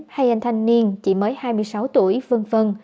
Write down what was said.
hai anh thanh niên chị mới hai mươi sáu tuổi v v